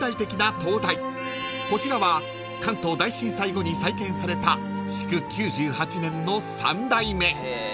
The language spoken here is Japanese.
［こちらは関東大震災後に再建された築９８年の３代目］